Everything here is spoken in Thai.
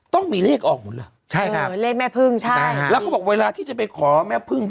ต้องมีเลขออกหมดล่ะใช่ครับเลขแม่พึ่งใช่ฮะแล้วเขาบอกเวลาที่จะไปขอแม่พึ่ง